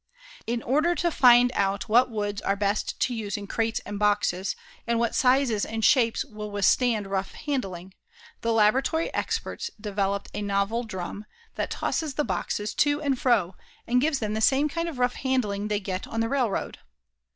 In order to find out what woods are best to use in crates and boxes and what sizes and shapes will withstand rough handling, the Laboratory experts developed a novel drum that tosses the boxes to and fro and gives them the same kind of rough handling they get on the railroad.